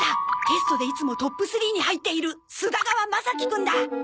テストでいつもトップ３に入っている菅田川マサキくんだ！